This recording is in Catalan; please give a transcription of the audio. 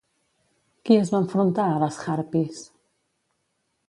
Qui es va enfrontar a les harpies?